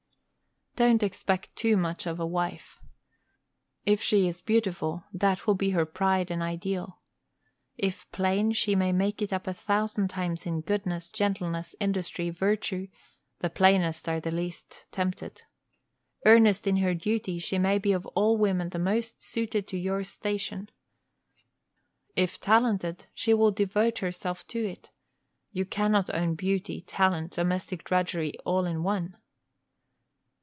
Don't expect too much of a wife. If she is beautiful, that will be her pride and ideal. If plain, she may make it up a thousand times in goodness, gentleness, industry, virtue (the plainest are the least tempted). Earnest in her duty, she may be of all women the most suited to your station. If talented, she will devote herself to it. You cannot own beauty, talent, domestic drudgery all in one.